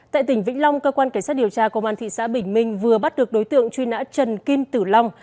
tại tỉnh vĩnh long cơ quan cảnh sát điều tra công an thị xã bình minh vừa bắt được đối tượng truy nã trần kim tử long